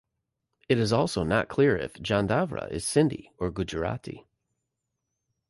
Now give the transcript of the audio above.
It is also not clear if Jandavra is Sindhi or Gujarati.